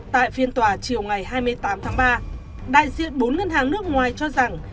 tại phiên tòa chiều ngày hai mươi tám tháng ba đại diện bốn ngân hàng nước ngoài cho rằng